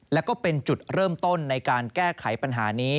แล้วก็เป็นจุดเริ่มต้นในการแก้ไขปัญหานี้